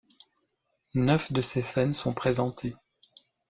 Neuf de ces scènes sont présentées.